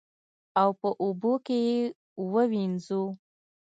او په اوبو کې یې ووینځو.